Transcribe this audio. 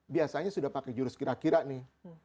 biasanya sudah pakai jurus kira kira nih